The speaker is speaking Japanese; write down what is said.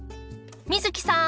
美月さん